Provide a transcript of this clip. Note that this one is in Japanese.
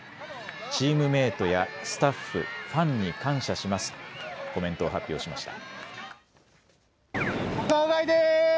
チームメートやスタッフ、ファンに感謝しますとコメントを発表しました。